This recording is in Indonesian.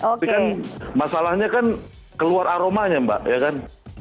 tapi kan masalahnya kan keluar aromanya mbak ya kan